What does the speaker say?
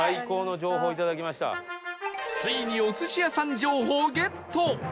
ついにお寿司屋さん情報ゲット